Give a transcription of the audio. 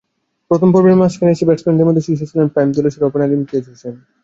প্রথম পর্বের মাঝখানে এসে ব্যাটসম্যানদের মধ্যে শীর্ষে ছিলেন প্রাইম দোলেশ্বরের ওপেনার ইমতিয়াজ হোসেন।